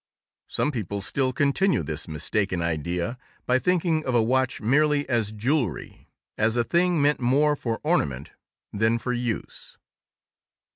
Some people still continue this mistaken idea by thinking of a watch merely as jewelry, as a thing meant more for ornament than for use.